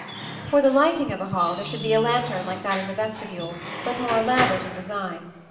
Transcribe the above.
For the lighting of the hall there should be a lantern like that in the vestibule, but more elaborate in design.